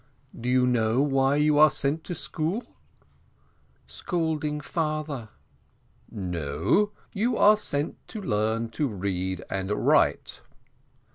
"Do you know why you are sent to school?" "Scalding father." "No; you are sent to learn to read and write."